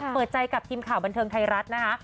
เปิดใจกับทีมข่าวบันเทิงไทยรัฐนะคะ